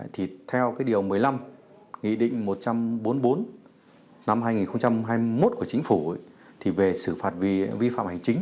thì theo cái điều một mươi năm nghị định một trăm bốn mươi bốn năm hai nghìn hai mươi một của chính phủ thì về xử phạt vi phạm hành chính